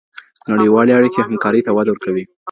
نړیوالي اړیکي همکارۍ ته وده ورکوي.